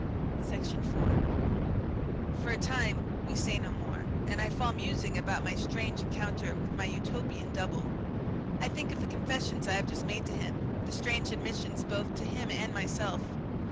Section 4 For a time we say no more, and I fall musing about my strange encounter with my Utopian double. I think of the confessions I have just made to him, the strange admissions both to him and myself.